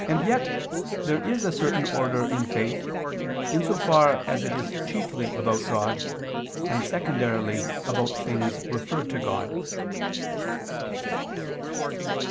And yet there is a certain order in faith, in so far as it is chiefly about God, and secondarily about things referred to God.